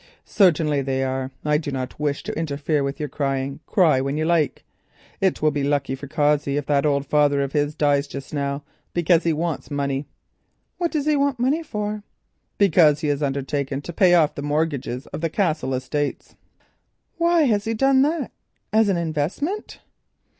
"Certainly, they are—I do not wish to interfere with your crying—cry when you like. It will be lucky for Cossey if that old father of his dies just now, because he wants money." "What does he want money for?" "Because he has undertaken to pay off the mortgages on the Castle estates." "Why has he done that, as an investment?"